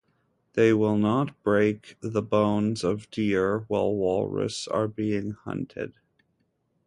They will not break the bones of deer while walrus are being hunted.